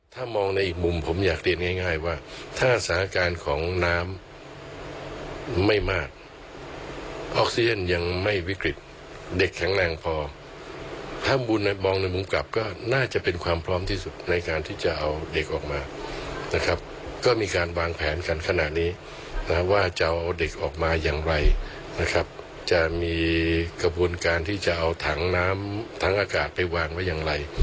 ถ้ามองในอีกมุมผมอยากเรียนง่ายว่าถ้าสถานการณ์ของน้ำไม่มากออกซิเจนยังไม่วิกฤตเด็กแข็งแรงพอถ้ามองในมุมกลับก็น่าจะเป็นความพร้อมที่สุดในการที่จะเอาเด็กออกมานะครับก็มีการวางแผนกันขนาดนี้นะว่าจะเอาเด็กออกมาอย่างไรนะครับจะมีกระบวนการที่จะเอาถังน้ำถังอากาศไปวางไว้อย่างไร